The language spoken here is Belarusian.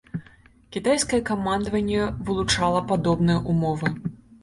Кітайскае камандаванне вылучала падобныя ўмовы.